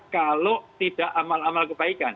kalau tidak amal amal kebaikan